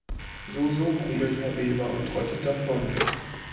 So so, grummelt Herr Weber und trottet davon.